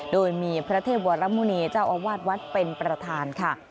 โดยมีพระเทพวรมุณีเจ้าอาวาสวัดเป็นประธานค่ะ